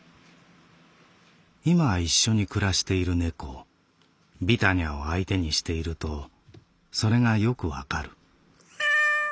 「いま一緒に暮らしている猫ビタニャを相手にしているとそれがよくわかる」。